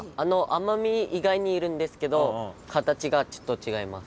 奄美以外にいるんですけど形がちょっと違います。